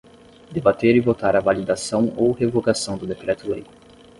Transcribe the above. Debater e votar a validação ou revogação do decreto-lei.